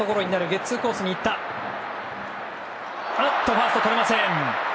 ファーストとれません。